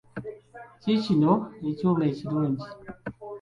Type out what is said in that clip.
Kiikino ekyuma ekirungi.